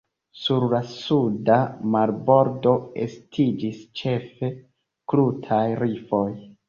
Sur la suda marbordo estiĝis ĉefe krutaj rifoj.